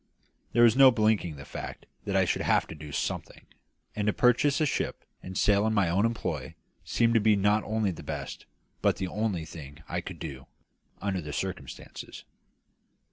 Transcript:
There was no blinking the fact that I should have to do something; and to purchase a ship and sail in my own employ seemed to be not only the best but the only thing I could do, under the circumstances.